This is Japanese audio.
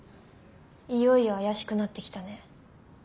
いよいよ怪しくなってきたね。